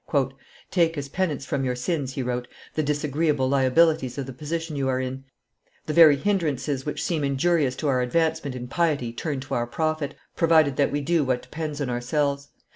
"Take as penance for your sins," he wrote, "the disagreeable liabilities of the position you are in: the very hinderances which seem injurious to our advancement in piety turn to our profit, provided that we do what depends on ourselves.